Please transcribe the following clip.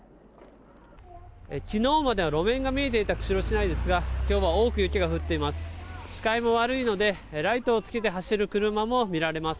昨日までは路面が見えていた釧路市内ですが今日は多く雪が降っています。